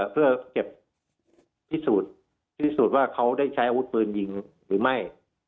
เพื่อเก็บพิสูจน์ว่าเขาได้ใช้อาวุธปืนยิงหรือไม่